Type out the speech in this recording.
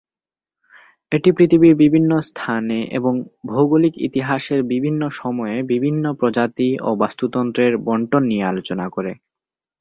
এটি পৃথিবীর বিভিন্ন স্থানে এবং ভৌগোলিক ইতিহাসের বিভিন্ন সময়ে বিভিন্ন প্রজাতি ও বাস্তুতন্ত্রের বণ্টন নিয়ে আলোচনা করে।